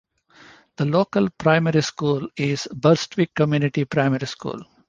The local primary school is Burstwick Community Primary School.